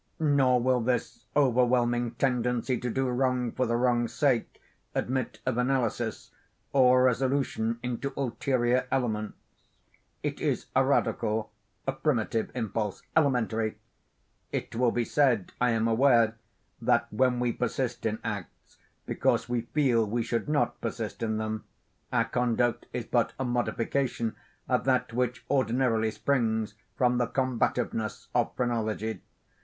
Nor will this overwhelming tendency to do wrong for the wrong's sake, admit of analysis, or resolution into ulterior elements. It is a radical, a primitive impulse—elementary. It will be said, I am aware, that when we persist in acts because we feel we should not persist in them, our conduct is but a modification of that which ordinarily springs from the combativeness of phrenology.